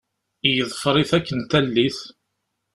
Yeḍfer-it akken tallit.